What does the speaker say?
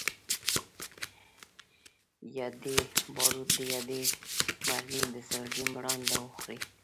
یا دي باروت یا دي مرمۍ د زړګي مراندي وخوري